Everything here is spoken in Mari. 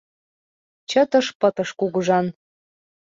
Чытыш пытыш кугыжан